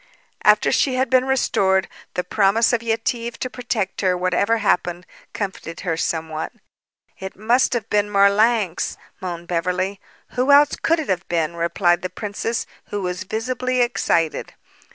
After she had been restored, the promise of Yetive to protect her, whatever happened, comforted her somewhat. "It must have been Marlanx," moaned Beverly. "Who else could it have been?" replied the princess, who was visibly excited.